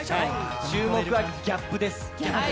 注目はギャップです。